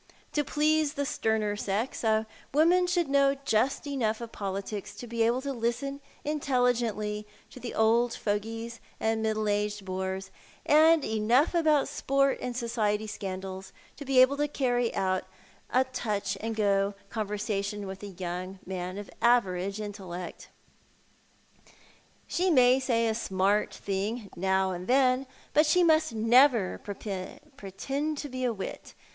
To please the sterner sex a woman should know just enough of politics to be able to listen intelligently to tho old fogies and middle aged lx)res, and enough about sport and society scandals to be able to carry on a touch and go 20 Thon art the Man. conversation with a young man of average intellect. She may say a smart thing now and then, but she must never pretend to be a wit.